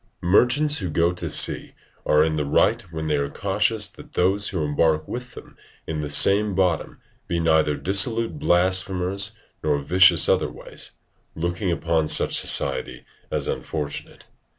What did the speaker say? Merchants who go to sea are in the right when they are cautious that those who embark with them in the same bottom be neither dissolute blasphemers nor vicious other ways, looking upon such society as unfortunate.